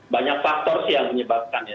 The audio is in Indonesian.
banyak faktor sih yang menyebabkan ya